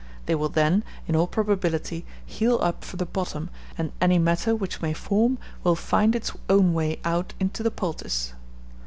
They will then, in all probability, heal up from the bottom, and any matter which may form will find its own way out into the poultice.